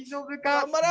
頑張れ！